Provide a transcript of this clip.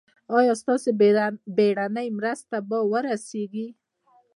ایا ستاسو بیړنۍ مرسته به ورسیږي؟